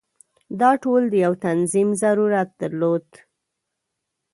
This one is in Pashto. دا ټول د یو تنظیم ضرورت درلود.